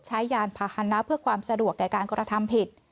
ยานพาหนะเพื่อความสะดวกแก่การกระทำผิด